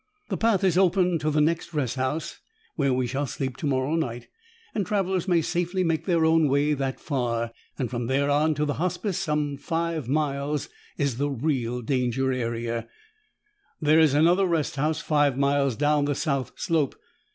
"The path is open to the next rest house, where we shall sleep tomorrow night, and travelers may safely make their own way that far. From there on to the Hospice, some five miles, is the real danger area. There is another rest house five miles down the south slope.